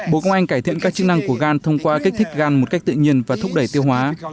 bộ công anh cải thiện các chức năng của gan thông qua kích thích gan một cách tự nhiên và thúc đẩy tiêu hóa